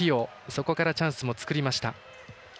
そこからチャンスも作りました。